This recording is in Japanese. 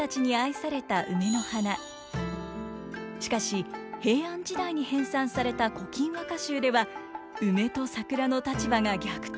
しかし平安時代に編纂された「古今和歌集」では梅と桜の立場が逆転。